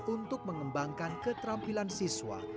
untuk mengembangkan keterampilan siswa